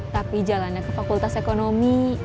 tapi jalannya ke fakultas ekonomi